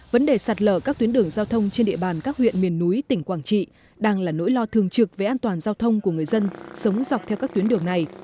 vấn đề sạt lở các tuyến đường giao thông trên địa bàn các huyện miền núi tỉnh quảng trị đang là nỗi lo thường trực về an toàn giao thông của người dân sống dọc theo các tuyến đường này